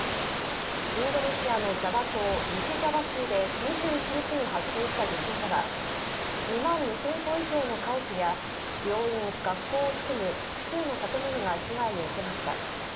インドネシアのジャワ島西ジャワ州で２１日に発生した地震では２万２０００戸以上の家屋や病院学校を含む複数の建物が被害を受けました